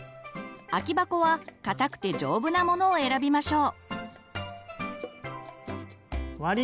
空き箱は硬くて丈夫なモノを選びましょう。